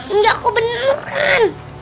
enggak aku beneran